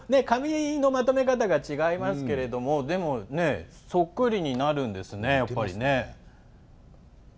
髪のまとめ方が違いますけれどもでも、そっくりになるんですね。